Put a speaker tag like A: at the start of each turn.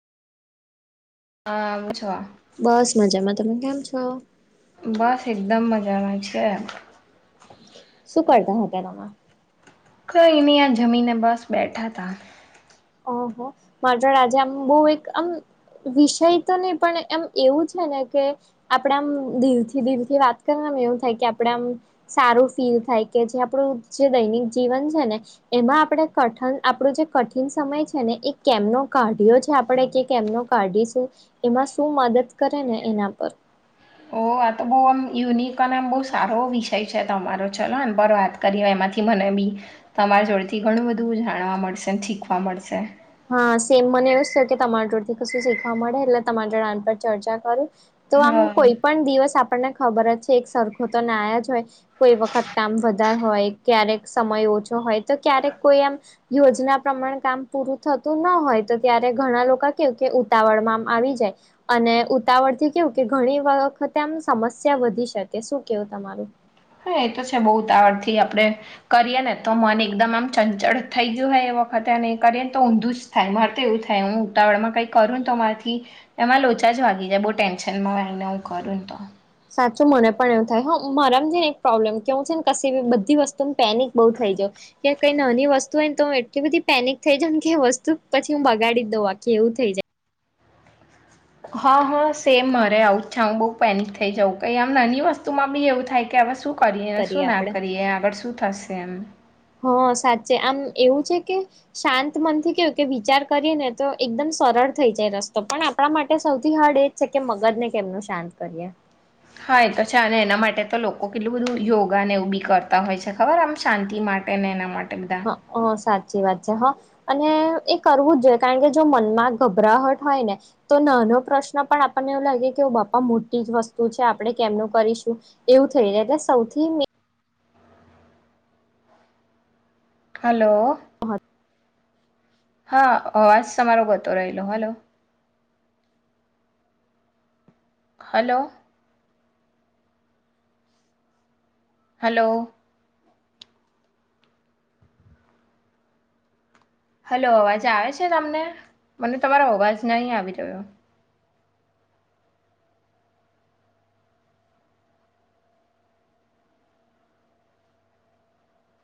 A: હા બછવા.
B: બસ મજામાં તમે કેમ છો?
A: બસ એકદમ મજા માં છે.
B: શું કરતા હતા તમે?
A: કઈ નઈ આ જમીને બસ બેઠા હતા.
B: ઓહો મારી જોડે આજે આમ બહું એક આમ વિષય તો નહી પણ એમ એવું છે ને કે આપણા આમ દિલથી દિલથી વાત કરીએ તો એમ થાય કે આપણે આમ. સારું ફીલ થાય કે જે આપણું જે દૈનિક જીવન છે ને એમાં આપડે કઠન આપડું જે કઠ કઠિન સમય છે ને એ કેમનો કાઢ્યો છે અને આપણે કે કેમનો કાઢીશું? એમાં શું મદદ કરે ને એના પર
A: ઓહો આ તો બહુ આમ યુનિક અને આમ બહુ સારો વિષય છે તમારો ચલો ને એન પર વાત કરી એમાંથી મને બી તમારા જોડેથી ઘણું બધું જાણવા મળશે શીખવા મળશે.
B: હા સેમ મને એવુંજ થયું કે તમારા જોડે થી કશું શીખવા મળે એટલે તમારા જોડ આન પર ચર્ચા કરું. તો આમ
A: હા
B: કોઈ પણ દિવસ આપણને ખબર જ છે એક સરખો તો નાયા જ હોય. કોઈ વખત કામ વધાર હોય ક્યારેક સમય ઓછો હોય તો ક્યારેક કોઈ એમ યોજના પ્રમાણે કામ પૂરું થતું ન હોય તો ત્યારે ઘણા લોકો કેવુ કે ઉતાવળમાં આમ આવી જાય. અને ઉતાવળ થી કેવું કે ઘણી વખતે આમ સમસ્યા વધી શકે શું કેવું તમારું?
A: હા એ તો છે બહુ ઉતાવળ થી આપણે. કરીએ ને તો મન એકદમ આમ ચંચળ થઈ ગયું હોય એ વખતે એ કરીએ ને તો ઊંધું જ. થાય મારે તો એવું થાય હું ઉતાવળમાં કંઈ કરું ને તો મારાથી. એમાં લોચા જ વાગી જાય બહુ ટેન્શન માં હોયને હું કરું ને તો.
B: સાચું મને પણ એવું થાય હા મારામ છે ને એક પ્રોબ્લેમ કેવું છે ને કશી બી બધી વસ્તુ પેનિક બહુ થઈ જઉં. કે કઈ નાની વસ્તુ હોયન તો હું એટલી બધી પેનિક થઈ જઉન કે વસ્તુ પછી હું બગાડી દઉં આખી એવું થઈ જાય.
A: હા હા સેમ અરે આવું જ છે હું બહઉ પેનિક થઇ જાઉં કઈ આમ નાની વસ્તુમાં બી એવું થાય કે હવે શું કરીએ
B: જાય
A: શું ના
B: આપડે
A: કરીએ આગળ શું થશે એમ?
B: હા સાચે આમ એવું છે કે શાંત મનથી કેવું કે વિચાર કરીએ ને તો એકદમ સરળ થઈ જાય રસ્તો પણ આપણા માટે સૌથી હાર્ડ એ છે કે મગજ ને કેમનું શાંત કરીએ.
A: હા એ તો છે અને એના માટે તો લોકો કેટલું બધું યોગાને એવું બી કરતા હોય છે ખબર આમ શાંતિ માટે. એને એના માટે બધા.
B: હ આ સાચી વાત છે હા. અને એ કરવું જ જોઈએ કારણ કે જો મનમાં ગભરાહટ હોય ને. તો નાનો પ્રશ્ન પણ આપણને એવું લાગે કે બાપા મોટી જ વસ્તુ છે આપણે કેમનું કરીશું? એવું થય જાય એટલે સૌથી મી
A: હલો હા અવાજ તમારો ગતો રહેલો હલો. હલો હલો હલો અવાજ આવે છે તમને મને તમારો અવાજ નહી આવી રહ્યો.